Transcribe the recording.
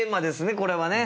これはね。